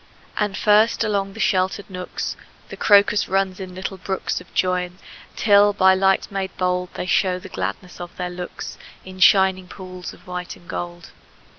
And first, along the sheltered nooks, The crocus runs in little brooks Of joyance, till by light made bold They show the gladness of their looks In shining pools of white and gold.